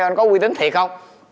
anh có quy tính thiệt không